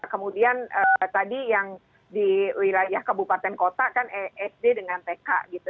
kemudian tadi yang di wilayah kabupaten kota kan sd dengan tk gitu